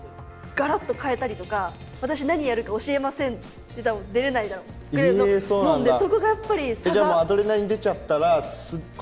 ガラッと変えたりとか「私何やるか教えません」って多分出れないぐらいのもんでそこがやっぱり差が。